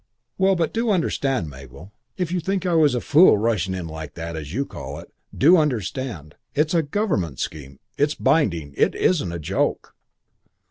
"Well, but do understand, Mabel. If you think I was a fool rushing in like that, as you call it. Do understand. It's a Government scheme. It's binding. It isn't a joke."